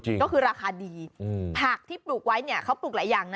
จริงคือราคาดีผักที่ปลูกไว้เขาปลูกหลายอย่าง